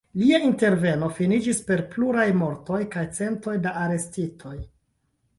Lia interveno finiĝis per pluraj mortoj kaj centoj da arestitoj.